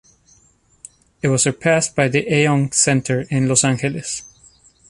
It was surpassed by the Aon Center in Los Angeles.